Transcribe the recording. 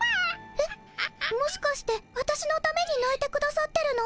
えっもしかしてわたしのためにないてくださってるの？